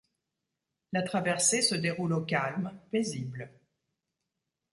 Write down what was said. La traversée se déroule au calme, paisible.